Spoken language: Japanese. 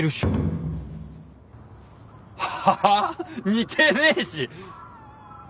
似てねえし。